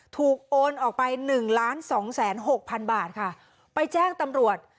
ถูกโอนออกไป๑ล้าน๒๑๐๐๐๐๐บาทค่ะไปแจ้งตำรวจ